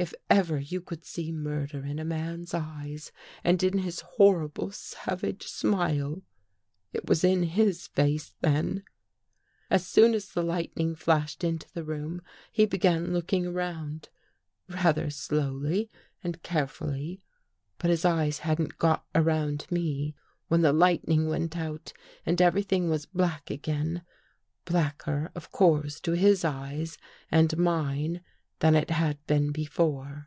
If ever you could see murder in a man's eyes, and in his horrible savage smile, it was in his face then. '' As soon as the lightning flashed into the room, he began looking around — rather slowly and care fully. But his eyes hadn't got around to me, when the lightning went out and everything was black again — blacker of course to his eyes and mine than it had been before.